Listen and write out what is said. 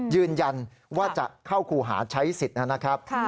ยืนยันว่าจะเข้าครูหาใช้สิทธิ์นะครับ